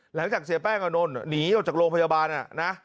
หลังจากเสียแป้งกันโน้นหนีออกจากโรงพยาบาลนะ